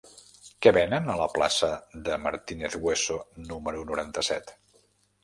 Què venen a la plaça de Martínez Hueso número noranta-set?